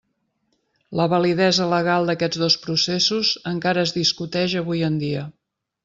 La validesa legal d'aquests dos processos encara es discuteix avui en dia.